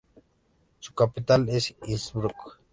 Su capital es Innsbruck.